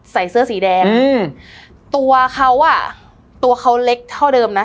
ใส่เสื้อสีแดงตัวเขาเล็กเท่าเดิมนะ